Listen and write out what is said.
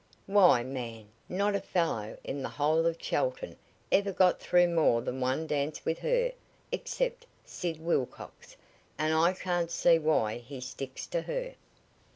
Why, man, not a fellow in the whole of Chelton ever got through more than one dance with her except Sid Wilcox, and I can't see why he sticks to her."